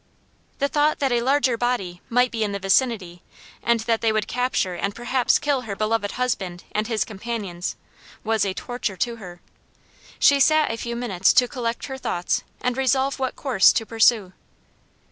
The thought that a larger body might be in the vicinity, and that they would capture and perhaps kill her beloved husband and his companions, was a torture to her. She sat a few moments to collect her thoughts and resolve what course to pursue.